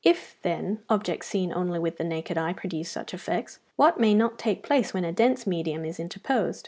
If, then, objects seen only with the naked eye produce such effects, what may not take place when a dense medium is interposed?